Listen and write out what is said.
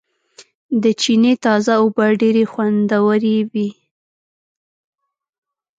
د چينې تازه اوبه ډېرې خوندورېوي